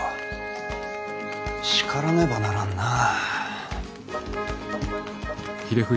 叱らねばならんなあ。